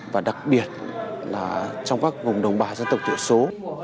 và đặc biệt là trong các vùng đồng bà dân tộc tiểu số